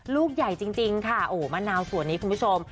ลูกใหญ่จริงค่ะโอ้มะนาวสวนนี้คุณผู้ชม